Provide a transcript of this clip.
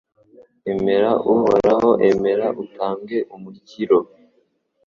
Emera Uhoraho emera utange umukiro